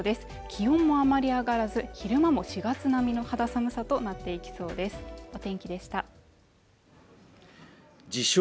気温もあまり上がらず昼間も４月並みの肌寒さとなっていきそうですお天気でした自称